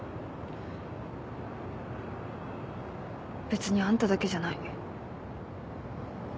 別にあんただけじゃない。